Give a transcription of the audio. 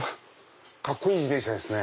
カッコいい自転車ですね。